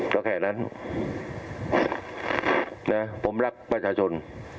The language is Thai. ก็แค่นั้นนะผมรักประชาชน